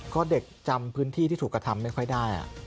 ก็เด็กจำพื้นที่ที่ถูกกระทำไม่ค่อยได้